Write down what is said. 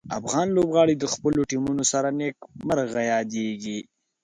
افغان لوبغاړي د خپلو ټیمونو سره نیک مرغه یادیږي.